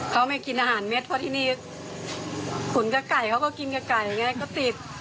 เขาไม่กินอาหารเม็ดเพราะที่นี่ขุนกับไก่เขาก็กินกับไก่ไงก็ติด